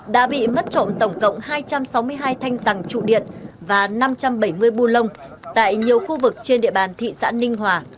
đã bị mất trộm tổng cộng hai trăm sáu mươi hai thanh rằng trụ điện và năm trăm bảy mươi bu lông tại nhiều khu vực trên địa bàn thị xã ninh hòa